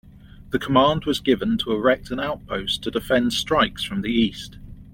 The command was given to erect an outpost to defend strikes from the east.